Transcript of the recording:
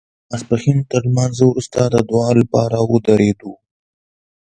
د ماسپښین تر لمانځه وروسته د دعا لپاره ودرېدو.